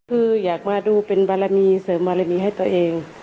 คืออยากมาดูเป็นบารมีเสริมบารมีให้ตัวเอง